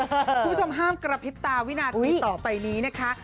คุณผู้ชมห้ามกระพริบตาวินาทีต่อไปนี้นะคะ